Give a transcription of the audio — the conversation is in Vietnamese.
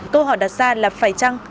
câu hỏi đặt ra là phải chăng